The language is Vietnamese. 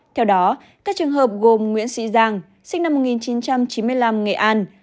theo đó các trường hợp gồm nguyễn sĩ giang sinh năm một nghìn chín trăm chín mươi năm nghệ an